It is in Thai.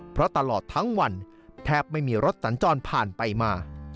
เพราะตลอดทั้งวันแทบไม่มีรถสัญจรผ่านไปมา